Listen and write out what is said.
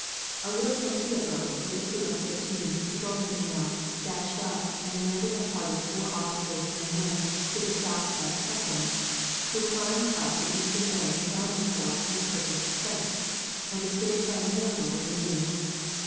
A little torpedo boat with a crew of thirteen, patrolling the Canal, dashed up and landed a party of four officers and men to the south of Tussum, who climbed up the eastern bank and found themselves in a Turkish trench, and escaped by a miracle with the news.